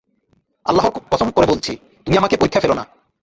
আল্লাহর কসম করে বলছি, তুমি আমাকে পরীক্ষায় ফেলো না।